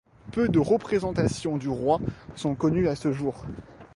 Peu de représentations du roi sont connues à ce jour.